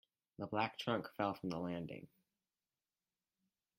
The black trunk fell from the landing.